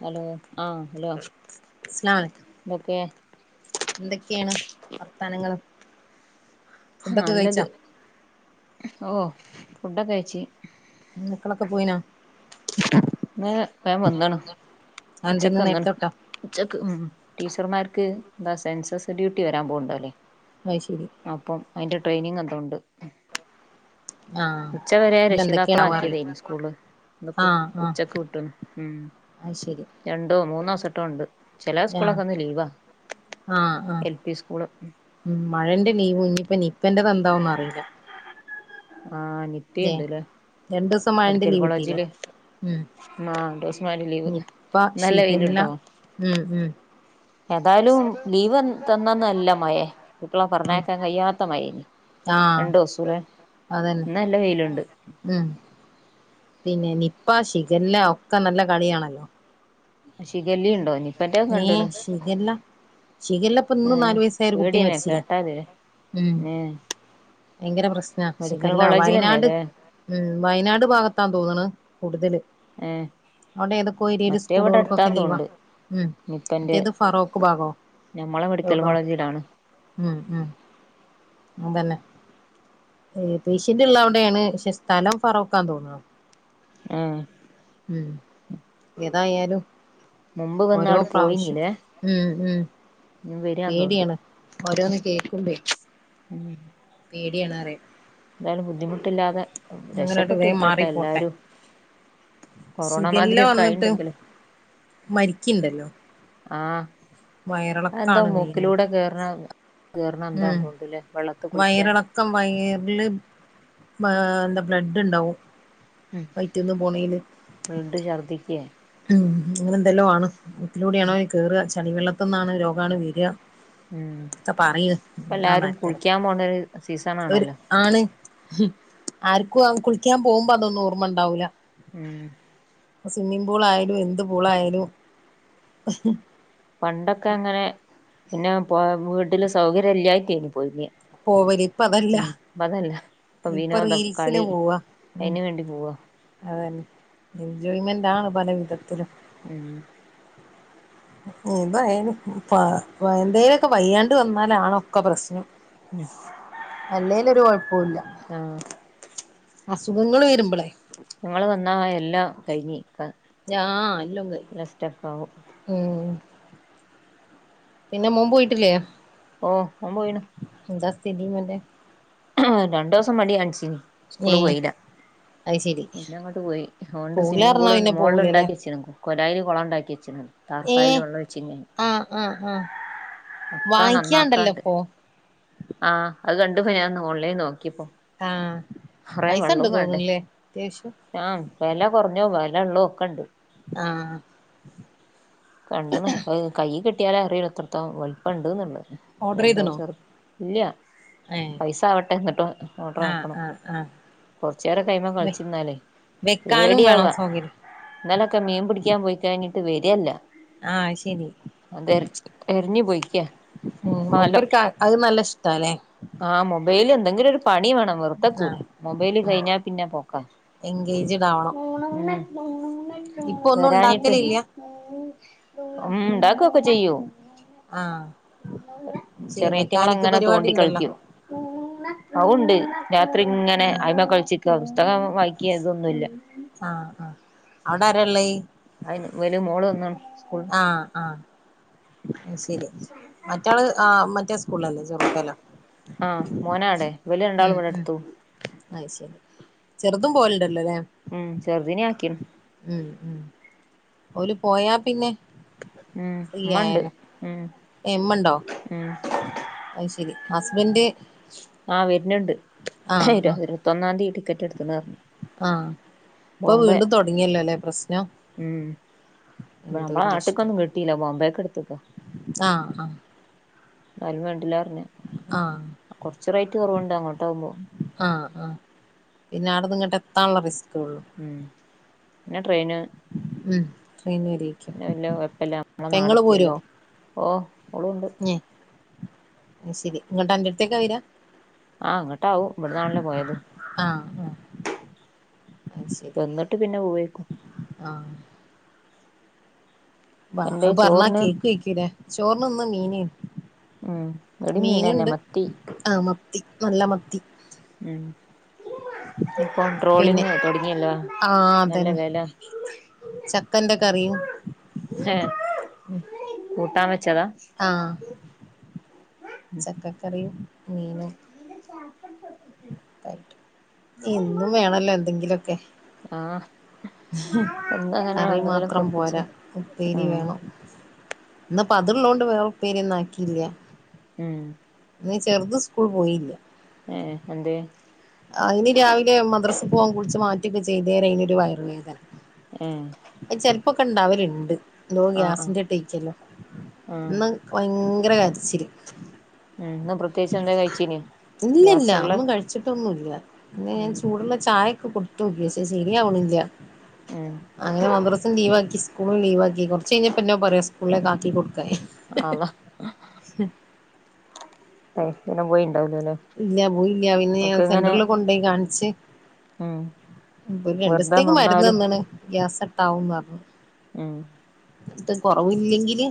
Hello ആഹ് hello അസ്സലാമു അലൈക്കും എന്തൊക്കെ? എന്തൊക്കെയാണ് വർത്താനങ്ങള്? ഫുഡൊക്കെ നല്ലത് കഴിച്ചോ ഓഹ് ഫുഡൊക്കെ കയിച്ച്. മ് മക്കളൊക്കെ പോയിനാ? ഇന്ന് വേഗം വന്നാണ്, ഉച്ചക്ക് അതെന്തിന്ന് വന്നാണ്, നേരത്തൊട്ടോ ഉച്ചക്ക് മ് ടീച്ചർമാർക്ക് എന്താ സെൻസസ് ഡ്യൂട്ടി വരാൻ പോകുണ്ടാല്ലേ. അയശെരി അതിന്റെ ട്രെയിനിങ് എന്തോ ഉണ്ട്. ആഹ് ഉച്ചവരെ ഇന്ന് രക്ഷിതാക്കള എന്തൊക്കെയാണാവോ അറിയില്ല ആക്കിയതായിന് സ്കൂള്ല് ഇന്ന് ഇപ്പ ആഹ് ആഹ് ഉച്ചക്ക് വിട്ടണ്, മ് അത് ശരി രണ്ടോ മൂന്നോസട്ടോ ഉണ്ട്, ചെല ആഹ് സ്കൂളൊക്കെ ഇന്ന് ലീവാ. L P school. മ് മഴന്റെ ലീവ്, ഇനിപ്പ നിപ്പന്റെത് എന്താവ്ന്ന് അറിയില്ല. ആഹ് ഏ നിപ്പയിണ്ട്ല്ലേ രണ്ടു ദിവസം മഴന്റെ മെഡിക്കൽ ലീവ് കിട്ടിയില്ലേ കോളേജില്. ഉം ആഹ് [unintelligible] ലീവ്, നിപ്പ ശിഖല്ല ഉം ഉം [unintelligible] ഏതായാലും ലീവ് തന്നന്നല്ല മയെ കുട്ടിള ഉം പറഞ്ഞയക്കാൻ കയിയാത്ത മയേന്. ആഹ് രണ്ട് ദിവസംല്ലേ അതന്നെ ഇന്ന് നല്ല വെയിലുണ്ട്. ഉം പിന്നെ നിപ്പ, ഷിഖല്ല ഒക്കെ നല്ല കളിയാണല്ലോ. ശിഖല്ലി ഉണ്ടോ നിപ്പന്റെത് നീ കണ്ട്ണ് ശീഖല്ല ശീഖല്ല ഇപ്പ ഇന്നും ഏഹ് നാല് വയസായ ഒര് കുട്ടി പേടിയന്നെ മരിച്ചിലെ കേട്ടാല് ഉം ഏഹ് വയങ്കര പ്രശ്നാ മെഡിക്കൽ ശിഖല്ല വയനാട് കോളേജിലന്നെല്ലേ ഉം. വയനാട് ഭാഗത്താ തോന്ന്ണ് കൂടുതല്. ഏഹ് അവിടെ ഏതൊക്കെ ഏരിയേല് മറ്റേ ഇവിടെ സ്കൂള്കൾക്കൊ ക്കെ അടുത്താന്ന് ലീവാ തോന്നുണ്ട് ഉം നിപ്പന്റെ മറ്റേത് ഫറോക്ക് ഭാഗോ ഞമ്മളെ മെഡിക്കൽ [unintelligible] കോളേജിലാണ് ഉം ഉം അതന്നെ ഏഹ് പേഷ്യന്റ് ഇള്ള അവിടേണ് പക്ഷെ സ്ഥലം ഫറോക്കാ തോന്ന്ണ്. ആഹ് മ് ഏതായാലും മുമ്പ് ഓരോ വന്നാട് പ്രാവശ്യം പോയിനീലേ ഉം ഉം ഇനി വരാന്ന് തോന്നുണ്ട് പേടിയാണ് ഓരോന്ന് കേക്ക്മ്പെ പേടിയാണ്റിയ. എന്തായാലും ബുദ്ധിമുട്ടില്ലാതെ ഞങ്ങളോട്ട് രക്ഷപ്പെട്ട് വേഗം കിട്ടട്ടെ മാറിപ്പോട്ടെ എല്ലാരും കൊറോണ ശിഖല്ല മാതിരി ഒക്കെ വന്നിട്ട് ആയിണ്ടെങ്കില് മരിക്ക്ണ്ടല്ലോ ആഹ് അത് എന്തോ വയറിളക്കാണ് മെയിനായിട്ട് മൂക്കിലൂടെ കേറ്ണ കേർണ ഉം എന്താതോൺണ്ട്ലെ വെള്ളത്ത് കുളിക്കാനാ ഇതില് ആഹ് എന്താ ബ്ലഡ് ഇണ്ടാവും. ഇഹ് ബ്ലഡ്‌ ഛർദിക്കേ മ് അങ്ങനെന്തെല്ലോ ആണ്. മൂക്കിലൂടെ ആണോല്ലേ കേറ്. ചളി വെള്ളത്തിന്നാണ് രോഗാണു വെര്. ഉം ഇപ്പ ഒക്ക പറീണ് എന്താന്ന് എല്ലാരും ആര്ക്കറിയ? കുളിക്കാൻ പോണ ഒരു സീസൺ ഒര് ആണല്ലോ ആണ്. ഹും ആര്ക്കു അയ് കുളിക്കാൻ പോവുമ്പോ അതൊന്നു ഓർമ്മ ഇണ്ടാവൂല. മ് ഇപ്പ സ്വിമ്മിംഗ് പൂളായാലും എന്ത് പൂളായാലും ഇഹ് പണ്ടൊക്കെ അങ്ങനെ പിന്നെ പോ വീട്ടില് സൗകര്യ ഇല്ലായിട്ടേന് പോയിനി പോവല് ഇപ്പ അതല്ല. ഇപ്പൊ ഇപ്പ വിനോദം റീൽസിന് കളി പോവാ ഉം അയിന് വേണ്ടി പോവാ അതന്നെ. എൻജോയ്മെന്റാണ് പല വിധത്തിലും ഉം നോമ്പ് ആയാലും എന്തേലൊക്കെ വയ്യാണ്ട് വന്നാലാണ് ഒക്കെ പ്രശ്നം. ഉം അല്ലലൊരു കൊഴപ്പവല്ല. ആഹ് അസുഖങ്ങൾ വരുമ്പോളേ നിങ്ങള് വന്നാ എല്ലാം കഴിഞ്ഞ് ആ എല്ലാം കൈയ്യും ഉം പിന്നെ മോൻ പോയിട്ടില്ലേ? ഓ ഓൻപോയിന് എന്താ സ്ഥിതി നിന്റെ രണ്ടു ദിവസം മടിയണിച്ചിനി സ്കൂള് ഏഹ് പോയില്ല. അത് ശരി പിന്നെ അങ്ങോട്ട് പോയി. ഓൻണ്ട് സ്വിമ്മിംഗ് പോവൂലാർഞ്ഞാ പൂൾ പിന്നെ മുകളിൽ പോവൂലല്ലേ ഉണ്ടാക്കി വച്ചിരുന്നു. കൊലയില് കുളം ഉണ്ടാക്കി വച്ചിക്ണ്‌. താർപ്പായൽ ഏഹ് വെള്ളൊഴിച്ചിനി ആഹ് ആഹ് ആഹ് ഒക്കാ വാങ്ങിക്കാണ്ടല്ലോ നന്നാക്കാണ്ട് ഇപ്പൊ ആ അത് കണ്ടു പോ ഞാൻന്ന് ഓൺലൈൻ നോക്കിപ്പോ ആഹ് കുറെ പൈസ ഇണ്ട് വെള്ളവും വേണ്ടേ തോന്ന്ണ്ല്ലേ അത്യാവശ്യം ആ വില കുറഞ്ഞോ വിലള്ളോക്കെ ഉണ്ട്. ആഹ കണ്ടണ് കൈ കെട്ടിയാല അറിയില്ലോ എത്രത്തോ വലുപ്പം ഉണ്ടന്നുള്ള് ഓർഡർ വലുതോ ചെയ്ത്ണോ ചെറു ഇല്ല ഏഹ് പൈസ ആവട്ടെ, എന്നിട്ട് ഓർഡർ ആഹ് ആക്കണം. ആഹ് കുറച്ച നേരെക്കെ അയിമേ ആഹ് കളിച്ചിരുന്നാലേ വെക്കാനും പേടിയവ വേണം സൗകര്യം ഇന്നലൊക്കെ മീൻ പിടിക്കാൻ പോയി കഴിഞ്ഞിട്ട് വരിയല്ല. ആഹ് ശരി അത് എറിഞ്ഞു പോയിക്കാ. ഉം മുപ്പർക്ക് അത് നല്ല ഇഷ്ടല്ലേ. ആഹ് മൊബൈല് എന്തെങ്കിലും ഒരു പണി വേണം വെറുതെക്കൂല ആഹ് മൊബൈല് ആഹ് കഴിഞ്ഞാ പിന്നെ പോക്കാ. എൻഗേജ്ഡ് ആവണം ഇപ്പൊ ഒന്നും വരാനിട്ട് ഉണ്ടാക്കലില്ല ഉം ഉണ്ടാകൊക്കെ ചെയ്യോ ആഹ ചെറിയറ്റങ്ങൾ അങ്ങനെ തോണ്ടി ഉണ്ടല്ലോ കളിച്ച അഹ്ണ്ട് രാത്രി ഇങ്ങനെ ആഹ് അയിമ കളിച്ചിക്ക പുസ്തകം വായിക്കെ ഇത് ന്നുല്ല. ആഹ ആഹ അവിടെരാളെള? അയിന് വര് മോള് വന്നാണ് ആഹ ആഹ ശരി മറ്റാള് ആ മറ്റേ കൊല്ലേെരുൂ പലെ ആഹ് മോനാടെ [unintelligible] ഇവല് രണ്ടാളും ഉം ഇവിടെ ഉം അടുത്തു അയിശരി ചെറുതും പോവലുണ്ട് ഉം ചെറുതിനെ ആക്കിണ് ഉം ഓൽ പോയാ പിന്നെ ഉം ഫ്രീ ഉമ്മണ്ട് ആയല്ലോ ഉം ഏ മ്മണ്ടോ ഉം അത്ശരി ഹസ്ബൻഡ് ആ വരണുണ്ട് ആഹ് ആഹ് ഇരുപത്തൊന്നാം തീയതി ടിക്കറ്റ് എടുത്തന്നാ പറഞ്ഞെ ആഹ് ഇപ്പൊ വീണ്ടും തോടങ്ങിയല്ലോയല്ലെ പ്രശ്നം ഉം നമ്മളെ എന്തൊരു കഷ്ടം നാട്ട്ക്കൊന്നും കിട്ടിയില്ല ബോബക്ക്‌ എടുത്തു ആഹ് ആഹ് ആരും കണ്ടില്ലാറഞ് ആഹ് കൊറച്ച് റൈറ്റ് കുറവുണ്ട് അങ്ങോട്ട ആകുമ്പോ ആഹ് ആഹ് പിന്നെ അവിടുന്ന് ഇങ്ങോട്ട് എത്താണുള്ള ബസ് ഉം പിന്നെ ട്രെയിന് ഉം ട്രെയിനിന് വരെരുക്കും പിന്നെ വല്യ കൊഴപ്പല്ല നമ്മളെ പെങ്ങള് നാടെത്തിയല്ലോ പോരുവോ ഓഹ് ഓളും ഉണ്ട് അത് ശരി ഇങ്ങട്ട് അന്റെടുത്തേക്കാ വെരാ ആഹ് അങ്ങട്ടാവും ഇവിടന്നാണല്ലോ പോയത് ആഹ് ആഹ് അത് ശരി വന്നിട്ട് പിന്നെ പോയേക്കും ആഹ് വാ അത് പറഞ്ഞാ ചോറിന് കേകേകുലേ ചോറിന് ഇന്ന് മീന് ഉം ഇവിടും മീന് തന്നെ മത്തി ആഹ് നല്ല മത്തി ഉം ഇപ്പൊ പിന്നെ ട്രോളിങ് തൊടങ്ങിയല്ലോ ആഹ് നല്ല അതന്നെ വെല ചക്കന്റെ കറിയും ഏഹ് ഉം കൂട്ടാൻ വെച്ചതാ ആഹ് ചക്കക്കറിയും മീനും എന്നും വേണല്ലോ എന്തെങ്കിലൊക്കെ ആഹ് എന്നും അങ്ങനെ കറി എന്തെങ്കിലൊക്കെ മാത്രം ഒപ്പിച്ച് പോരാ ഉപ്പേരി ഉം വേണം ഇന്ന് ഇപ്പ അതുള്ളോണ്ട് വേറെ ഉപ്പേരി ഒന്നും ആക്കിയില്ല ഉം ഇന്ന് ചെറുത് സ്കൂൾ പോയില്ല ഏഹ് എന്തെ പ്പോ ചെയ്തേരം അയ്നൊരു വയറുവ വേദന ഏഹ് ഇപ്പൊ ഒക്കെ ഇണ്ടാവലുണ്ട് എന്തോ ഗ്യാസിന്റെ റ്റായിച്ചല്ലോ ഉം ഇന്ന് ഭയങ്ക ഭയങ്കര കരച്ചിൽ ഏഹ് ഇന്ന് പ്രത്യേകിച്ച് എന്തെങ്കിലും കഴിച്ചിനോ ഇല്ലല്ല ഒന്നും കഴിച്ചിട്ടൊന്നുംല്ല പിന്നെ ഞാൻ ഉം ചൂടുള്ള ചായ- ക്കെ കൊടുത്തോക്കി ശരിയാവണില്ല ഉം അങ്ങനെ മദ്രസും ലീവ് ആക്കി സ്കൂൾ ലീവാക്കി കുറച്ച്കഴിഞ്ഞ പിന്നെ പറയാ സ്കൂളേക്ക് ആക്കി കൊടുക്കി അള്ളാഹ് [unintelligible] പോയിൻ ഇല്ല പോയീല്ല പിന്നെ ഞാ ഇങ്ങനെ സെന്ററിൽ കൊണ്ടോയി കാണിച്ച് ഉം ഒരു രണ്ടു വെറുതെ ദിവസത്തേക്ക് മരുന്ന് നിന്നാലും തന്ന്ണ് ഗ്യാസ് ഇട്ടാവുംന്ന് പറഞ്ഞു ഉം ഇട്ട് കൊറവില്ലെങ്കില്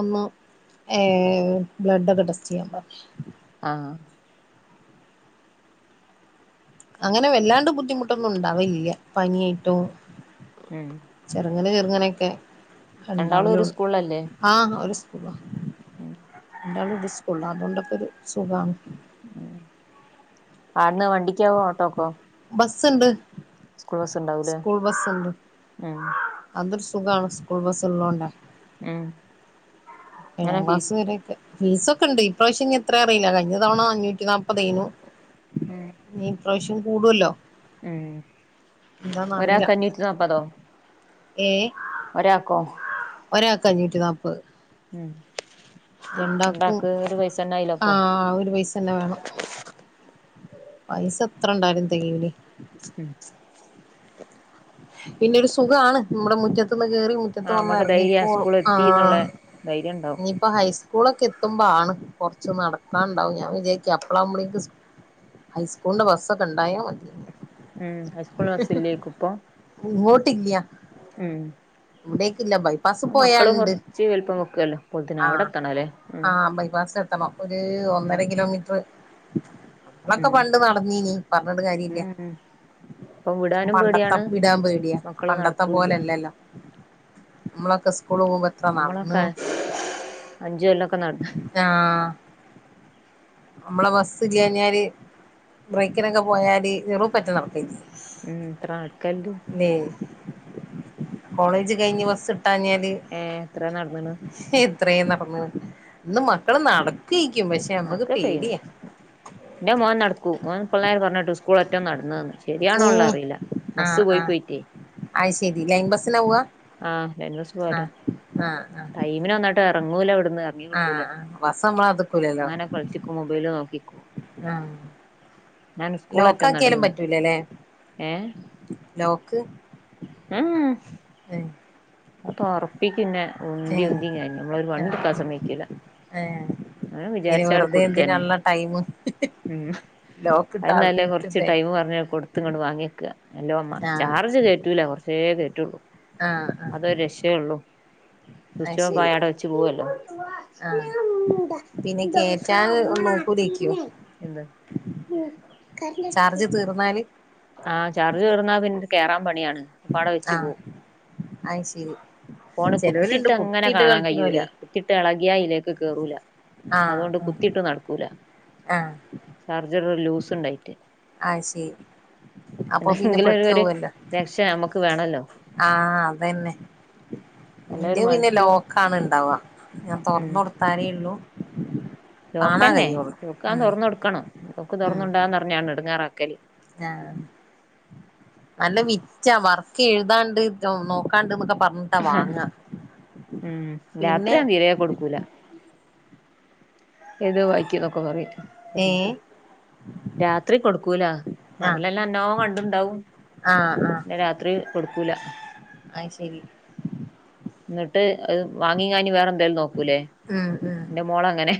ഒന്ന് ഏ ബ്ലഡ് ഒക്കെ ടെസ്റ്റ് ചെയ്യാൻ പറഞ്ഞു ആഹ് അങ്ങനെ വല്ലാണ്ട് ബുദ്ധിമുട്ടൊന്നും ഉണ്ടാവലില്ല പനിയായിട്ടോ ഉം അങ്ങനെ ചെറുങ്ങനൊക്കെ രണ്ടാളും കണ്ടാവലൂ ഒരു സ്കൂളിലല്ലേ ആഹ് ഒരു സ് കുവ രണ്ടാളും ഒരു സ്കൂള്ല അതോണ്ടൊക്കൊരു സുഖാണ് ഉം ആട്ന്ന് വണ്ടിക്കാവോ ഓട്ടോക്കോ ബസ്സ് ഇണ്ട് സ്കൂൾ ബസ് ഉണ്ടാവൂലേ സ്കൂൾ ബസ്സ് ഇണ്ട് ഉം അന്നൊരുസ് സുഖാണ് സ്കൂൾ ബസ്സ് ഉള്ളോണ്ടേ ഉം ഏഴാം എങ്ങനെ ക്ലാസ് ഫീസ് വരെയൊക്കെ ഫീസൊ ക്കെണ്ട് ഇപ്രാവശ്യം ഇനി എത്രാ അറിയില്ല കഴിഞ്ഞ തവണ അഞ്ഞൂറ്റ നാപ്പതയിനു ഉം ഇപ്രാവശ്യം കൂടൂല്ലോ ഉം അറിയില്ല ഒരാക്ക് അഞ്ഞൂറ്റി നാപ്പതോ ഏ കോ ഒരാക്ക് അഞ്ഞൂറ്റി നാപ്പത് ഉം രണ്ടാക്കും രണ്ടാക്ക് ഒരു പൈസന്നെ ആയില്ല അപ്പൊ ആഹ് ഒരു പൈസന്ന വേണം പൈസ എത്ര ഉണ്ടായാലും തെകയൂലേ ഉം പിന്നെ ഒരു സുഖം ആണ് നമ്മുടെ മുറ്റത്ത് ത്ത്ന്ന് കേറി മുറ്റത്ത് ആഹ് വന്ന് നമ്മക്ക് ധൈര്യ എറങ്ങിക്കോളും സ്കൂള് ആ എത്തിന്നുള്ള ധൈര്യം ഉണ്ടാവും ഇനിയിപ്പം ഹൈസ് കൂളൊക്കെ എത്തുമ്പം ആണ് കൊറച്ച് നടക്കാണ്ടാവും ഞാൻ വിചാരിക്ക അപ്പളാവുമ്പളേക്ക് സ് ഹൈസ്കൂളിന്റെ ബസ്സ് ഒക്കെ ഉണ്ടായ മതേയ്നിം ഉം ഹൈസ്കൂൾന് ബസ് ഇല്ലേക്കും ഇപ്പം ഇങ്ങോട്ടില്ല്യ ഇവിടേക്കില്ല ബൈപ്പാസ് പോയ മക്കളും ഉണ്ട് കുറച്ച് വലിപ്പം വെക്കുവല്ലോ അപ്പോത്തിന് അവിടെ ആഹ് എത്തണല്ലേ ഉം ആ ബൈപാസ് സ് എത്തണം ഒര് ഉം ഒന്നര കിലോമീറ്റ്റ് നമ്മളൊക്കെ പണ്ട് നടന്നീനി പറഞ്ഞിട്ട് കാര്യല്ല ഉം ഉം ഇപ്പം വിടാനും പണ്ടത്ത പേടിയാണ് വിടാൻ പേടിയാ മക്കള് പണ്ടത്തെ നടക്കൂല്ല പോലെല്ലല്ലോ നമ്മളൊക്കെ സ് സ്കൂള് പോവുമ്പം എത്ര നടന്ന്ണ് അഞ്ച് കൊല്ലൊക്കെ നട് ആഹ് നമ്മളെ ബസ്സ് ഇല്ല്യാഞ്ഞാല് ബ്രേക്കിനൊക്കെ പോയാല് എറു പറ്റി നടക്കെനി ഉം എത്ര നടക്കല്ണ്ട് ല്ലേ കോളേജ് കഴിഞ് ബസ് ട്ടാഞ്ഞാല് ഏഹ് എത്ര നടന്ന്ണ് എത്രേ നടന്നു ഇന്ന് മക്കള് നടക്കു നടക് ക്കെയും ഇന്റെ മോന് നട്ക്കും ഓൻ പിള്ളേര് പർഞ്ഞെട്ടു സ്കൂളറ്റം നടന്ന് ന്ന് ശെരിയാണോ ഒള്ള ഏഹ് അറീല ബസ്സ് ആഹ് പോയി ആഹ് പോയ്റ്റേ അയ് ശെരി ലൈൻ ബസ്സിനാ പോവാ ആഹ് ആഹ് [unintelligible] ആഹ് ആഹ് ടൈമിന് വന്നങ്ങട്ട് എറങ്ങൂല അവ് ണ് എറങ്ങി കിട്ടൂല ആഹ് ആഹ് ബസ് നമ്മളെ കാത്ത്ക്കൂലല്ലോ ഇങ്ങനെ കൾച്ച്ക്കും മൊബൈല് നോക്കിക്കും ആഹ് ഞാൻ ലോക്ക് സ്കൂളറ്റം ആക്കിയാലും നടന്ന് പറ്റൂലല്ലേ ലോക്ക് ഉം ഉം ഏഹ് അഹ് തോർപ്പിക്കും ഇന്നേ ഉന്തി ഏഹ് ഉന്തി ഇങ്ങനെ നമ്മളൊരു ആഹ് വണ്ടിക്കാൻ സമ്മയ്ക്കൂല ഏഹ് അങ്ങനെ ഇനി വിചാരിച്ച അങ്ങട്ട് വെറുതെ കൊട്ക്കന്നെ എന്തിനാള്ള ടൈമ് ഉം അഹ് ലോക്കിട്ടാ ന്നാലേ കോർച്ച് ഇട്ടിട്ടെ ടൈം പർഞ്ഞ് കൊട്ത്ങ്ങട്ട് വാങ്ങ്യക്ക എന്റെമ്മ ആഹ് ചാർജ് കയറ്റൂല കൊർച്ചേ കേ ആഹ് ആഹ് അതൊര് രക്ഷയേ ഒള്ളൂ അത് ശരി സുച്ചോഫായ അവിടെ വെച്ച് പോവല്ലോ ആഹ് പിന്നെ കേറ്റാൻ നോക്കൂലേയ്ക്കോ എന്ത് ചാർജ് തീർന്നാല് [unintelligible] ആഹ് ചാർജ് തീർന്നാ പിന്നെ കേറാൻ പണിയാണ് അപ്പ ഔടെ വെച്ച് ആഹ് പോവും അത് ശരി ഫോണ് ചെലോല്ണ്ട് കുത്തിട്ട് അങ്ങനെ കുത്തിയിട്ട് കാണാൻ കഴിയൂല കളിക്ക്ണോലേ കുത്തിട്ട് എളകിയാ അയ്ലേക്ക് കേറൂല്ല. ആഹ് അതോണ്ട് ആഹ് കുത്തിട്ട് നടക്കൂല ആഹ് ചാർജറ് ലൂസ് ഇണ്ടായിട്ട് അഹ്ശെ എന്തെങ്കിലും ഒര് ഒര് രക്ഷ നമ്മുക്ക് വേണല്ലോ ആഹ് അതനെ നല്ല ഒരു ഇന്റെഹ് പിന്നെ മണിക്കൂർ ലോക്കാണ് ഇണ്ടാവ ഞാൻ ഉം തോറന്ന് കൊടുത്താലെ ഒള്ളു ലോക്കന്നെ ലോക്കാ തോർന്നൊട്ക്കണം ലോക്ക് ഉം തോർന്നോണ്ടാന്ന് പർഞ്ഞാണ്ട് എടങ്ങേറക്കല് ആഹ് നല്ല വിറ്റാ വർക്ക് എഴ്താണ്ട് നോക്കാണ്ട് ന്നൊക്കെ ഉം രാത്രി പിന്നെ ഞാൻ തീരെ കൊട്ക്കൂല എഴ്ത് വായിക്ക്ന്നൊക്കെ പറിം പർഞ്ഞിട്ട് ഏഹ് രാത്രി കൊടുക്കൂല ആഹ് പകലെല്ലാം ന്നോ കണ്ട്ണ്ടാവും ന്നെ രാത്രി കൊടുക്കൂല അഹ്ശെരി ഇന്നട്ട് അത് വാങ്ങി കഴ്ഞാ വേറെ എന്തേലും നോക്കൂലേ ഉം ഉം ഇന്റെ മോളങ്ങനെ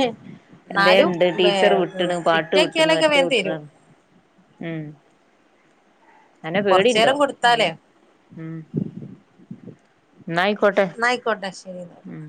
എന്നാലും എന്തേണ്ട് ടീച്ചറ് വ്ട്ട്ണ് പാട്ട് സ്ട്രിക്റ്റ് വ്ട്ട്ണ് ആക്കിയാലൊക്കെ മറ്റത് വേഗം വ്ട്ട്ണ് തരും ഉം അന്നെ പേടിണ്ടോ കൊർച്ചേരം പിന്നെ കൊട്ത്താലേ ന്നാഅയ്കോട്ടെ എന്നാ ഉം